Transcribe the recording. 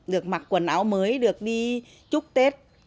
được mặc quần áo mới được đi chúc tết